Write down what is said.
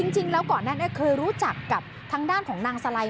จริงแล้วก่อนหน้านี้เคยรู้จักกับทางด้านของนางสไล